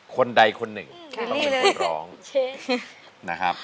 คนใดคนหนึ่งเราเป็นคนร้อง